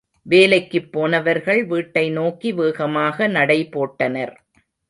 வேலைக்குப் போனவர்கள் வீட்டை நோக்கி வேகமாக நடை போட்டனர்.